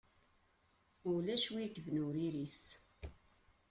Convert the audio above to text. Ulac wi irekben ur iris.